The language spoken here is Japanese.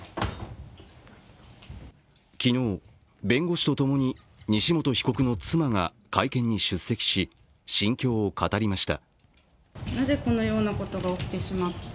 昨日、弁護士とともに西本被告の妻が会見に出席し、心境を語りました。